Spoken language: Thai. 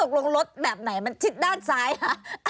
แล้วตกลงรถแบบไหนมันชิดด้านซ้ายฮะ